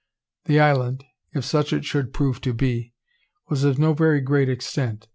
The island, if such it should prove to be, was of no very great extent.